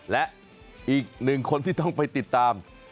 และอีกหนึ่งคนที่ต้องไปติดตาม